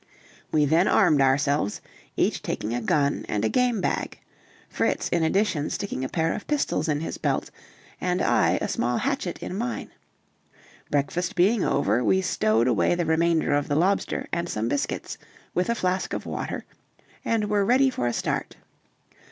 We then armed ourselves, each taking a gun and a game bag; Fritz in addition sticking a pair of pistols in his belt, and I a small hatchet in mine; breakfast being over, we stowed away the remainder of the lobster and some biscuits, with a flask of water, and were ready for a start.